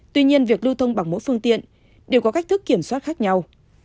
tuy nhiên việc lưu thông bằng mỗi phương tiện đều có cách thức kiểm soát khác nhau